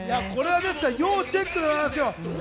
これは要チェックでございます。